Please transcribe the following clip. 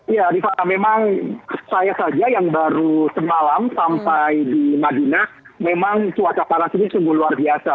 ya rifana memang saya saja yang baru semalam sampai di madinah memang cuaca panas ini sungguh luar biasa